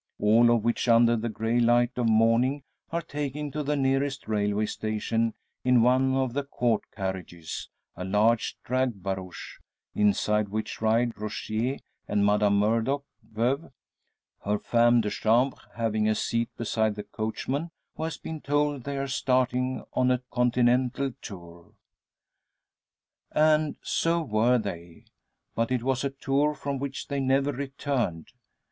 All of which, under the grey light of morning are taken to the nearest railway station in one of the Court carriages a large drag barouche inside which ride Rogier and Madame Murdock veuve; her femme de chambre having a seat beside the coachman, who has been told they are starting on a continental tour. And so were they; but it was a tour from which they never returned.